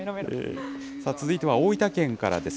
続いては大分県からです。